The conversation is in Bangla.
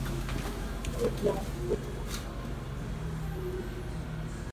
চোখ লাল, ঠোঁট লালচে।